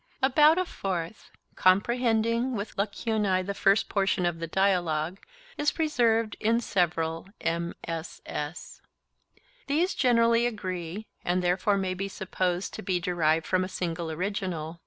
About a fourth, comprehending with lacunae the first portion of the dialogue, is preserved in several MSS. These generally agree, and therefore may be supposed to be derived from a single original.